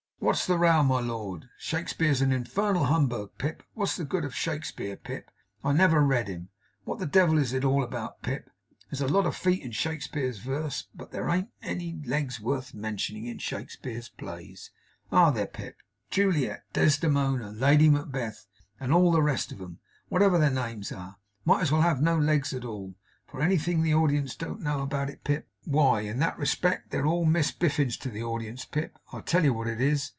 "What's the row, my lord?" "Shakspeare's an infernal humbug, Pip! What's the good of Shakspeare, Pip? I never read him. What the devil is it all about, Pip? There's a lot of feet in Shakspeare's verse, but there an't any legs worth mentioning in Shakspeare's plays, are there, Pip? Juliet, Desdemona, Lady Macbeth, and all the rest of 'em, whatever their names are, might as well have no legs at all, for anything the audience know about it, Pip. Why, in that respect they're all Miss Biffins to the audience, Pip. I'll tell you what it is.